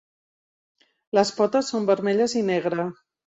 Les potes són vermelles i negre.